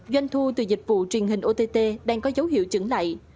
doanh thu từ dịch vụ truyền hình ott đang có dấu hiệu chứng lại